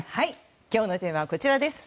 今日のテーマはこちら。